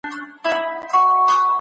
ته د روښانه راتلونکي لاره لټوې.